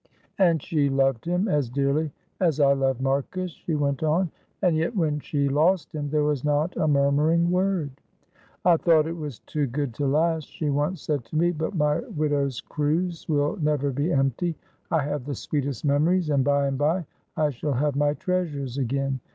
"And she loved him as dearly as I love Marcus," she went on. "And yet when she lost him there was not a murmuring word. "'I thought it was too good to last,' she once said to me, 'but my widow's cruse will never be empty. I have the sweetest memories, and by and by I shall have my treasures again.